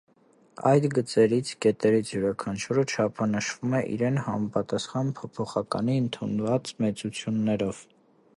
Այդ գծերից (կետերից) յուրաքանչյուրը չափանշվում է իրեն համապատասխան փոփոխականի ընդունած մեծություններով։